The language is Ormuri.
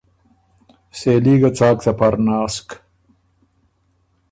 سېلي ګه څاک څپر ناسک